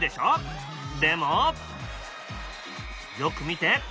でもよく見て。